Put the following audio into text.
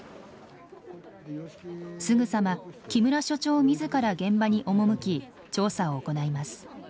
すぐさま木村所長自ら現場に赴き調査を行います。